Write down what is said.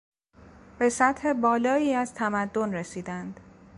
به سطح بالایی از تمدن رسیدند.